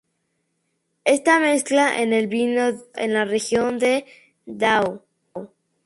Está mezclada en el vino tinto en la región de Dão.